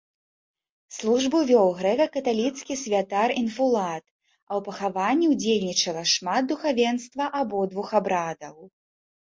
Службу вёў грэка-каталіцкі святар-інфулат, а ў пахаванні ўдзельнічала шмат духавенства абодвух абрадаў.